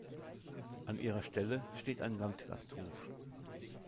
An ihrer Stelle steht ein Landgasthof.